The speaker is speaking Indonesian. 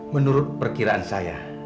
menurut perkiraan saya